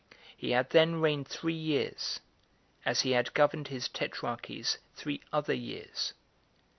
He had then reigned three years, as he had governed his tetrarchies three other years.